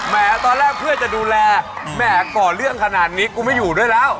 ตอนแรกเพื่อจะดูแลแม่ก่อเรื่องขนาดนี้กูไม่อยู่ด้วยแล้ว